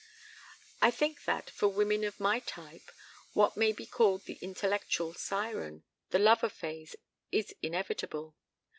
"I think that for women of my type what may be called the intellectual siren the lover phase is inevitable.